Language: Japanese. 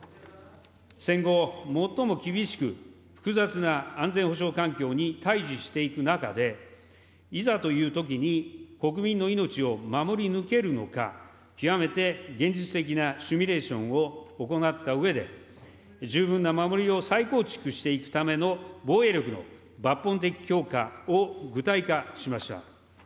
戦後最も厳しく、複雑な安全保障環境に対じしていく中で、いざというときに国民の命を守り抜けるのか、極めて現実的なシミュレーションを行ったうえで、十分な守りを再構築していくための防衛力の抜本的強化を具体化しました。